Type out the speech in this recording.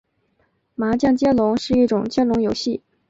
麻将接龙是一种接龙游戏。